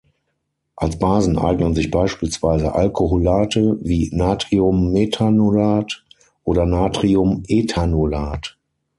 Als Basen eignen sich beispielsweise Alkoholate wie Natriummethanolat oder Natriumethanolat.